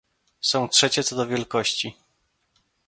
Są trzecie co do wielkości